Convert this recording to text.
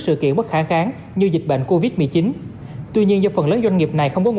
sự kiện bất khả kháng như dịch bệnh covid một mươi chín tuy nhiên do phần lớn doanh nghiệp này không có